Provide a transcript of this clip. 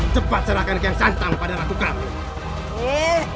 cepat serahkan ke yang santang pada ratu kampung